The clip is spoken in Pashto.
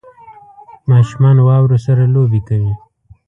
ماشومان واورو سره لوبې کوي